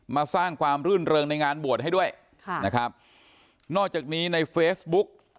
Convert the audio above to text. มาสร้างความรื่นเริงในงานบวชให้ด้วยค่ะนะครับนอกจากนี้ในเฟซบุ๊ก